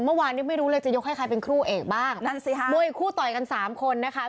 เมื่อวานนี้ไม่รู้เลยจะยกให้ใครเป็นคู่เอกบ้างนั่นสิค่ะมวยคู่ต่อยกันสามคนนะคะ